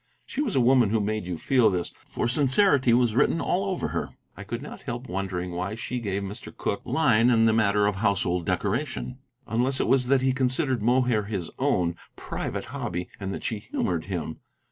She was a woman who made you feel this, for sincerity was written all over her. I could not help wondering why she gave Mr. Cooke line in the matter of household decoration, unless it was that he considered Mohair his own, private hobby, and that she humored him.